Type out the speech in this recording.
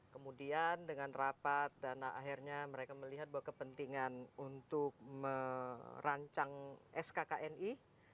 kemudian dengan rapat dan akhirnya mereka melihat bahwa kepentingan untuk merancang skkni